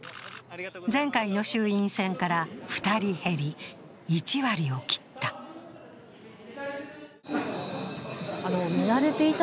前回の衆院選から２人減り、１割を切った。